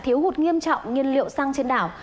thiếu hụt nghiêm trọng nhân liệu xăng trên đảo